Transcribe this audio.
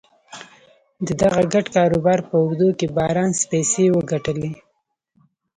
د دغه ګډ کاروبار په اوږدو کې بارنس پيسې وګټلې.